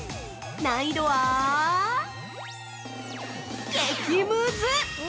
難易度は、激ムズ！